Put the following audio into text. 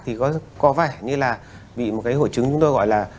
thì có vẻ như là bị một cái hội chứng chúng tôi gọi là